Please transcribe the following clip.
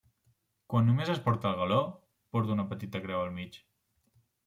Quan només es porta el galó, porta una petita creu al mig.